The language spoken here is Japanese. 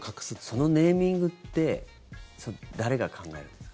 そのネーミングって誰が考えるんですか？